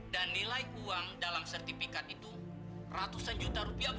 nilai uang dalam sertifikat itu ratusan juta rupiah